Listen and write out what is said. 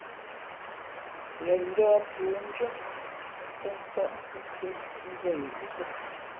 Ghen njᾱᾱ pʉα zǒ ndʉ̄ᾱ tᾱ nsάʼ sisiē nzᾱ yo wúzᾱ.